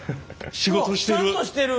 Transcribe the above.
仕事してる。